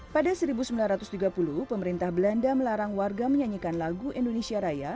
pada seribu sembilan ratus tiga puluh pemerintah belanda melarang warga menyanyikan lagu indonesia raya